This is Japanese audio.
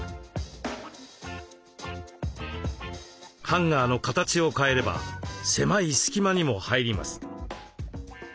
ハンガーの形を変えれば狭い隙間にも入ります。